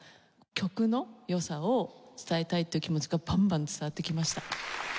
曲の良さを伝えたいっていう気持ちがバンバン伝わってきました。